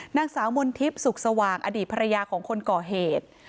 นางสาวมนธิบศุกรสวังอดีตภรรยาคนก่อเหตุ